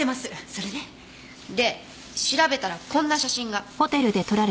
それで？で調べたらこんな写真が。